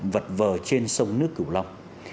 vật vờ trên sông nước cửu long